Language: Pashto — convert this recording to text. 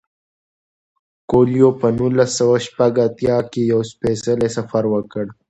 کویلیو په نولس سوه شپږ اتیا کال کې یو سپیڅلی سفر وکړ.